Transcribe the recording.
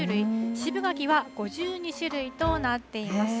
渋柿は５２種類となっています。